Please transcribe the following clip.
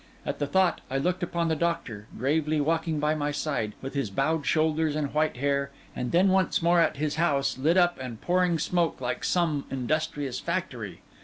At the thought, I looked upon the doctor, gravely walking by my side, with his bowed shoulders and white hair, and then once more at his house, lit up and pouring smoke like some industrious factory.